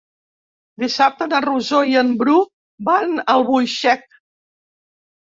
Dissabte na Rosó i en Bru van a Albuixec.